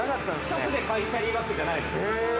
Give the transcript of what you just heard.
直でキャリーバッグじゃないのよ。